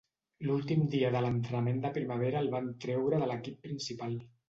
L'últim dia de l'entrenament de primavera el van treure de l'equip principal.